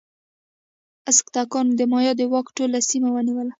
ازتکانو د مایا د واک ټوله سیمه ونیوله.